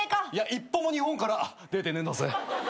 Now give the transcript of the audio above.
一歩も日本から出てねえんだぜ。